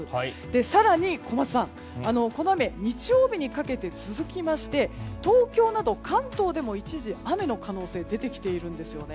更に小松さん、この雨日曜日にかけて続きまして東京など関東でも一時、雨の可能性が出てきているんですよね。